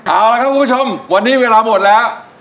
เอาละครับคุณผู้ชมวันนี้เวลาหมดแล้ว